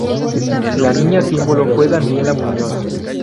La niña símbolo fue Daniela Muñoz.